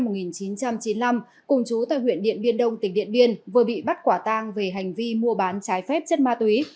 các đối tượng sùng a tùa sinh năm một nghìn chín trăm chín mươi năm cùng chú tại huyện điện biên đông tỉnh điện biên vừa bị bắt quả tang về hành vi mua bán trái phép chất ma túy